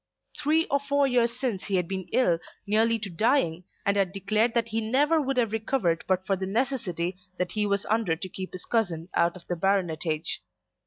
Three or four years since he had been ill, nearly to dying, and had declared that he never would have recovered but for the necessity that he was under to keep his cousin out of the baronetage.